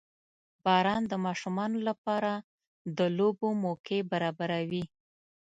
• باران د ماشومانو لپاره د لوبو موقع برابروي.